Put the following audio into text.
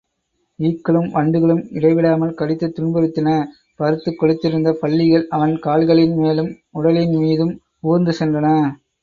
ஈக்களும் வண்டுகளும் இடைவிடாமல் கடித்துத் துன்புறுத்தின, பருத்துக் கொழுத்திருந்த பல்லிகள் அவன் கால்களின்மேலும், உடலின்மீதும் ஊர்ந்து சென்றன.